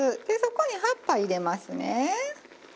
でそこに葉っぱ入れますね。